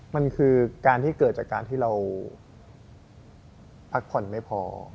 มันคือการที่เกิดจากการที่เราพักผ่อนไม่พอ